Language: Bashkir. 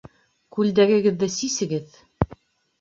Күлдәгегеҙҙе сисегеҙ!